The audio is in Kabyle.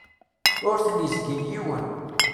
Ur ten-izgil yiwen.